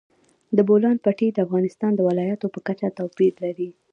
د بولان پټي د افغانستان د ولایاتو په کچه توپیر لري.